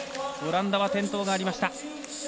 オランダは転倒がありました。